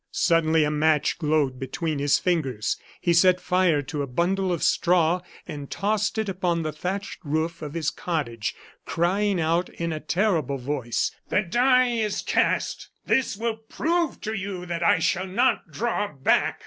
Suddenly a match glowed between his fingers; he set fire to a bundle of straw and tossed it upon the thatched roof of his cottage, crying out in a terrible voice: "The die is cast! This will prove to you that I shall not draw back!"